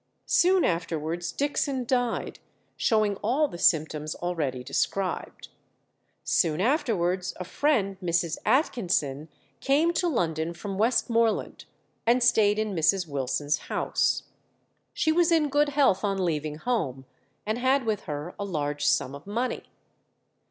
Soon afterwards Dixon died, showing all the symptoms already described. Soon afterwards a friend, Mrs. Atkinson, came to London from Westmoreland, and stayed in Mrs. Wilson's house. She was in good health on leaving home, and had with her a large sum of money.